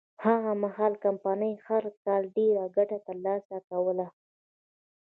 هغه مهال کمپنۍ هر کال ډېره ګټه ترلاسه کوله.